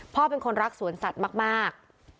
พ่อเป็นคนรักสวนสัตว์มาก